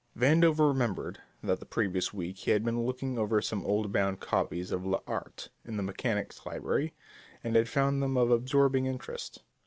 Vandover remembered that the previous week he had been looking over some old bound copies of l'Art in the Mechanics Library and had found them of absorbing interest.